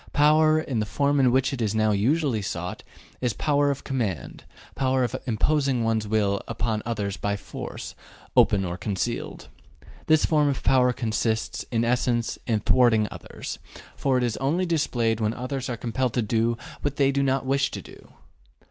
Power, in the form in which it is now usually sought, is power of command, power of imposing one's will upon others by force, open or concealed. This form of power consists, in essence, in thwarting others, for it is only displayed when others are compelled to do what they do not wish to do.